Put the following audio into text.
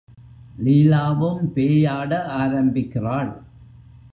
லீலாவும் பேயாட ஆரம்பிக்கிறாள்.